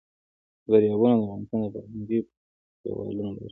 دریابونه د افغانستان د فرهنګي فستیوالونو برخه ده.